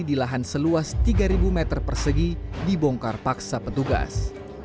di lahan seluas tiga meter persegi dibongkar paksa petugas